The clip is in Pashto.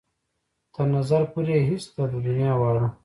تر نظر پورې يې هېڅ ده د دنيا واړه.